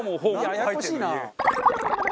ややこしいな。